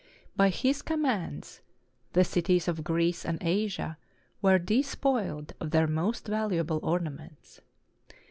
By his commands the cities of Greece and Asia were despoiled of their most valuable ornaments.